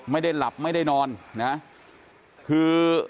ไม่ได้หลับไม่ได้นอนนะคือ